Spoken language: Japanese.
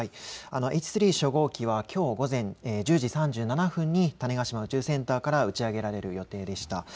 Ｈ３初号機はきょう午前１０時３７分に種子島宇宙センターから打ち上げられる予定でした。